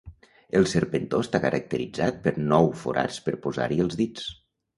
El serpentó està caracteritzat per nou forats per posar-hi els dits.